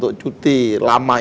pak soni sudah punya perasaan